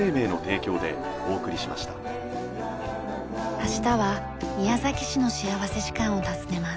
明日は宮崎市の幸福時間を訪ねます。